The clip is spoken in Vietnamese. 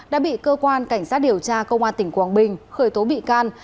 đã bị cơ quan cảnh sát điều tra công an tỉnh quảng bình khởi tố bị can